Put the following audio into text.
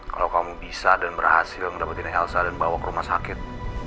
kalau kamu bisa dan berhasil mendapatkan helsa dan bawa ke rumah sakit